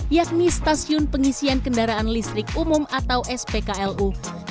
yakni stasiun pengisian kendaraan listrik umum atau spklu